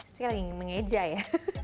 saya lagi mengeja ya